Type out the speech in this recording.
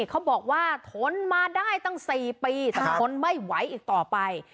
เขาบอกว่าทนมาได้ตั้ง๔ปีแต่ทนไม่ไหวอีกต่อไป